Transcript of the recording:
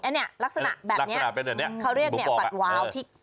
อันเนี้ยลักษณะแบบเนี้ยลักษณะเป็นอันเนี้ยเขาเรียกเนี้ยฟัดวาวที่